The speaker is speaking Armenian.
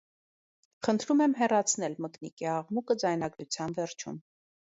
Խնդրում եմ հեռացնել մկնիկի աղմուկը ձայնագրության վերջում